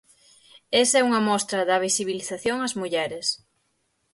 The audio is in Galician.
Esa é unha mostra da visibilización as mulleres.